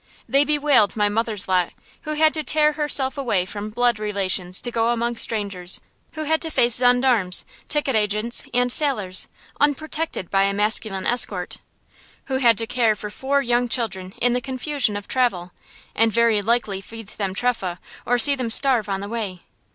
They bewailed my mother's lot, who had to tear herself away from blood relations to go among strangers; who had to face gendarmes, ticket agents, and sailors, unprotected by a masculine escort; who had to care for four young children in the confusion of travel, and very likely feed them trefah or see them starve on the way.